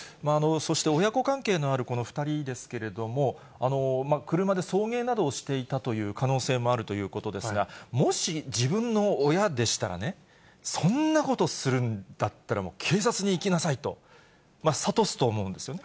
そして、親子関係のあるこの２人ですけれども、車で送迎などをしていたという可能性もあるということですが、もし自分の親でしたらね、そんなことするんだったらもう、警察に行きなさいと諭すと思うんですね。